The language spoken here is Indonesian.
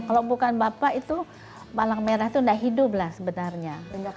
kalau bukan bapak itu palang merah itu tidak hidup lah sebenarnya